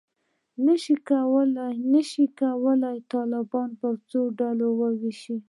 نه شو کولای طالبان پر څو ډلو وویشو.